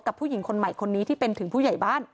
ผู้หญิงคนใหม่คนนี้ที่เป็นถึงผู้ใหญ่บ้าน